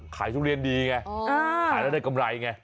ขายชุดเรียนดีขายแล้วได้กำไร